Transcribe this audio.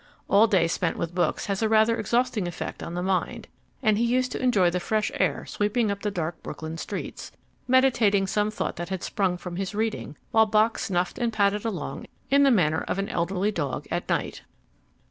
All day spent with books has a rather exhausting effect on the mind, and he used to enjoy the fresh air sweeping up the dark Brooklyn streets, meditating some thought that had sprung from his reading, while Bock sniffed and padded along in the manner of an elderly dog at night.